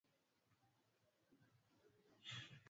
Kama vile Mary Beard anavyosema katika Kicheko huko Roma ya Kale